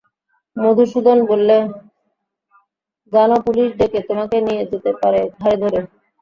মধুসূদন বললে, জান পুলিস ডেকে তোমাকে নিয়ে যেতে পারি ঘাড়ে ধরে?